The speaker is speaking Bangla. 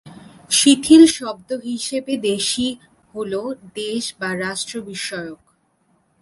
শিথিল শব্দ হিসাবে দেশী হলো দেশ বা রাষ্ট্র বিষয়ক।